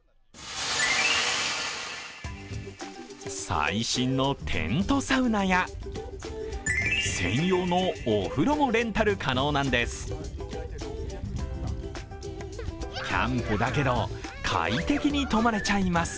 最新のテントサウナや専用のお風呂もレンタル可能なんです。